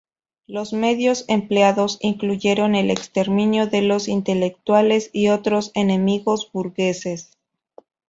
Los medios empleados incluyeron el exterminio de los intelectuales y otros "enemigos burgueses".